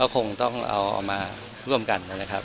คงต้องเอามาร่วมกันนะครับ